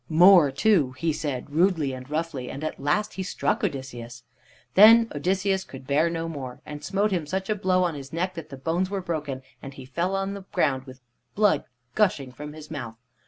More, too, he said, rudely and roughly, and at last he struck Odysseus. Then Odysseus could bear no more, and smote him such a blow on his neck that the bones were broken, and he fell on the ground with blood gushing from his mouth.